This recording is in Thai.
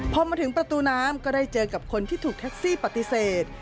พอมาถึงประตูน้ำก็ได้เจอกับคนที่ถูกแท็กซี่ปฏิเสธ